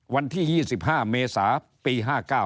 วันที่๒๕เมษาปี๕๙